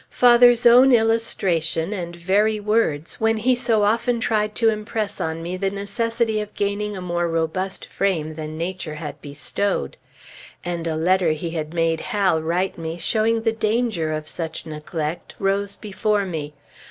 Father's own illustration and very words, when he so often tried to impress on me the necessity of gaining a more robust frame than nature had bestowed! And a letter he had made Hal write me, showing the danger of such neglect, rose before me.